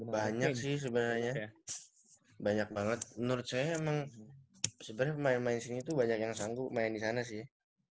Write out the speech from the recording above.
banyak sih sebenarnya banyak banget menurut saya emang sebenarnya pemain pemain sini tuh banyak yang sanggup main di sana sih